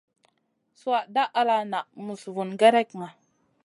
Sùha dah ala na muss vun gerekna.